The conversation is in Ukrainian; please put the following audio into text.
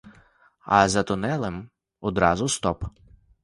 А за тунелем одразу стоп!